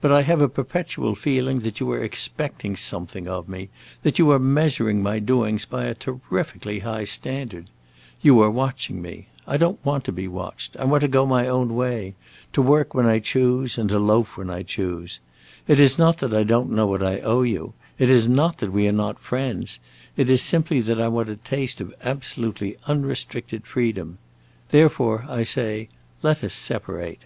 But I have a perpetual feeling that you are expecting something of me, that you are measuring my doings by a terrifically high standard. You are watching me; I don't want to be watched. I want to go my own way; to work when I choose and to loaf when I choose. It is not that I don't know what I owe you; it is not that we are not friends. It is simply that I want a taste of absolutely unrestricted freedom. Therefore, I say, let us separate."